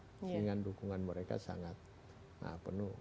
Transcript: sehingga dukungan mereka sangat penuh